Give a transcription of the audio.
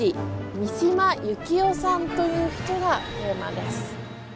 三島由紀夫さんという人がテーマです。